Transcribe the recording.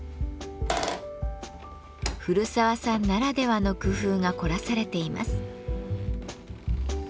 古澤さんならではの工夫が凝らされています。